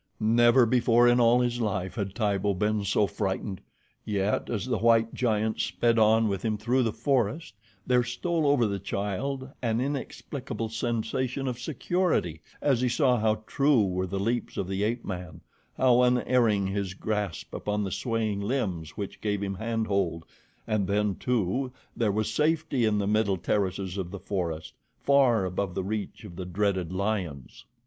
Never before in all his life had Tibo been so frightened, yet as the white giant sped on with him through the forest there stole over the child an inexplicable sensation of security as he saw how true were the leaps of the ape man, how unerring his grasp upon the swaying limbs which gave him hand hold, and then, too, there was safety in the middle terraces of the forest, far above the reach of the dreaded lions.